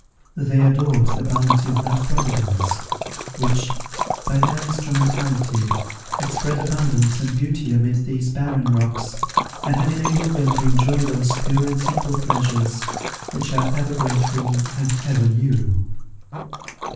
They adored the bounty of that Providence, which, by their instrumentality, had spread abundance and beauty amid these barren rocks, and had enabled them to enjoy those pure and simple pleasures, which are ever grateful and ever new.